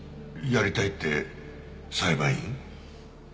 やりたいって裁判員？